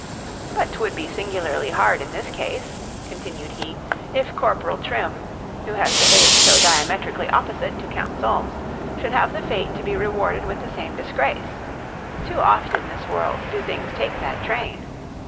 ——But 'twould be singularly hard in this case, continued be, if corporal Trim, who has behaved so diametrically opposite to count Solmes, should have the fate to be rewarded with the same disgrace:——too oft in this world, do things take that train.